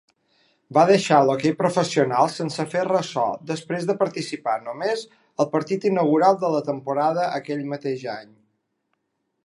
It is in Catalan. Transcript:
Va deixar l'hoquei professional sense fer ressò després de participar només al partit inaugural de la temporada aquell mateix any.